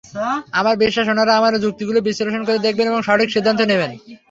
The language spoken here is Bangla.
আমার বিশ্বাস, ওনারা আমার যুক্তিগুলো বিশ্লেষণ করে দেখবেন এবং সঠিক সিদ্ধান্ত দেবেন।